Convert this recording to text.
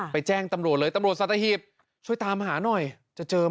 แจ้งตำรวจเลยตำรวจสัตหีบช่วยตามหาหน่อยจะเจอไหม